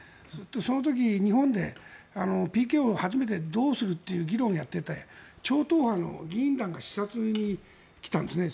その時、日本でＰＫＯ、初めてどうするという議論をしていて超党派の議員団が視察に来たんですね。